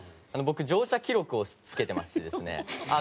僕乗車記録をつけてましてですね